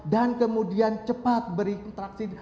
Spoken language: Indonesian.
dan kemudian cepat berinteraksi